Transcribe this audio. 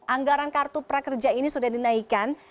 anggaran kartu prakerja ini sudah dinaikkan